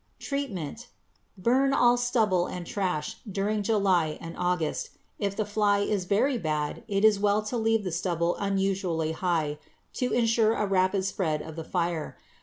Treatment. Burn all stubble and trash during July and August. If the fly is very bad, it is well to leave the stubble unusually high to insure a rapid spread of the fire.